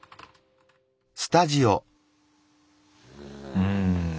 うん。